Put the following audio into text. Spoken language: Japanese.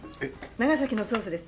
長崎のソースです